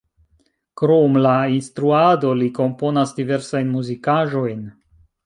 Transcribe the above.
Krom la instruado li komponas diversajn muzikaĵojn.